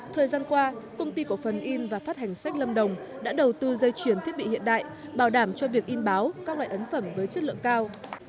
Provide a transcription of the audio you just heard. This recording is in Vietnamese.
thời gian qua công ty cổ phần in và phát hành sách lâm đồng đã đầu tư dây chuyển thiết bị hiện đại bảo đảm cho việc in báo các loại ấn phẩm với chất lượng cao